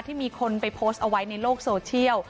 มีคนไปโพสต์เอาไว้ในโลกโซเชียล